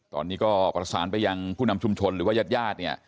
ตอนนี้ก็ประสานไปยังผู้นำชุมชนหรือว่าญาติญาติเนี่ย